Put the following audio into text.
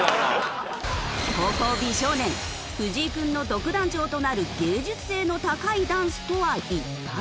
後攻美少年藤井君の独壇場となる芸術性の高いダンスとは一体？